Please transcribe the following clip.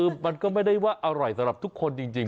คือมันก็ไม่ได้ว่าอร่อยสำหรับทุกคนจริง